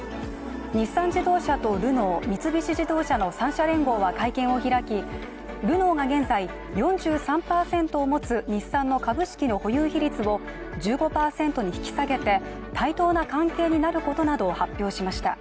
日産自動車とルノー三菱自動車の３社連合は会見を開きルノーが現在、４３％を持つ日産の株式の保有比率を１５％に引き下げて、対等な関係になることなどを発表しました。